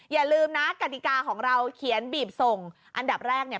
อย่าลืมนะกฎิกาของเราเขียนบีบส่งอันดับแรกเนี่ย